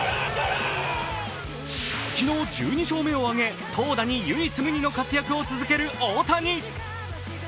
昨日１２勝目を挙げ、投打に唯一無二の活躍を続ける大谷。